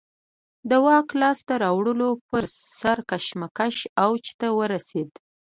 د واک لاسته راوړلو پر سر کشمکش اوج ته ورسېد